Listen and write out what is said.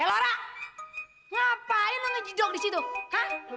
eh lora ngapain lo ngejidok di situ hah